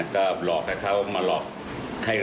ก็หลอกอาจจะเขามาหลอก